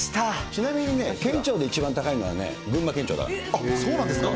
ちなみにね、県庁で一番高いのはね、そうなんですか？